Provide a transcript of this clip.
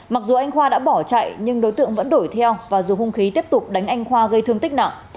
mặc dù anh khoa đã bỏ chạy nhưng đối tượng vẫn đổi theo và dùng hung khí tiếp tục đánh anh khoa gây thương tích nặng